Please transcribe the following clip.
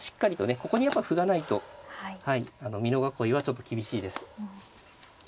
ここにやっぱ歩がないと美濃囲いはちょっと厳しいです。